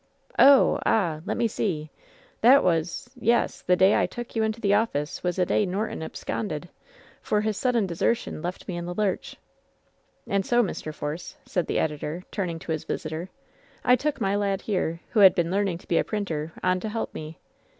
"Oh ! Ah I Let me see ! That was — ^yes — ^the day I took you into the oflSce was the day Norton absconded, 214 LOVE'S BITTEREST CXJP for his sudden desertion left me in the lurch. And so, Mr. Force/' said the editor, turning to his visitor, ^1 took my lad here, who had been learning to be a printer, on to help me.